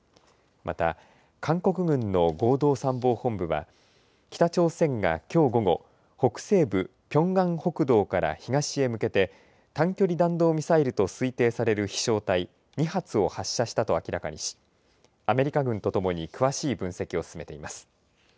また、韓国軍の合同参謀本部は、北朝鮮がきょう午後、北西部ピョンアン北道から東へ向けて、短距離弾道ミサイルと推定される飛しょう体２発を発射したと明らかにし、アメリカ軍とともに詳しい分析を進めています。